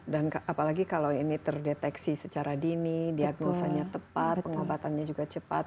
dan apalagi kalau ini terdeteksi secara dini diagnosanya tepat pengobatannya juga cepat